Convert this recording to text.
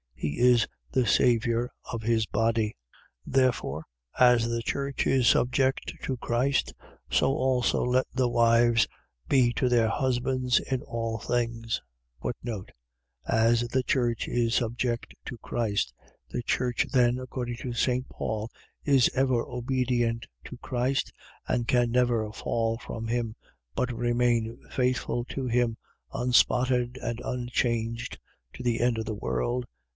He is the saviour of his body. 5:24. Therefore as the church is subject to Christ: so also let the wives be to their husbands in all things. As the church is subject to Christ. . .The church then, according to St. Paul, is ever obedient to Christ, and can never fall from him, but remain faithful to him, unspotted and unchanged to the end of the world.